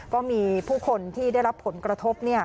ก็มีผู้คนที่ได้รับผลกระทบ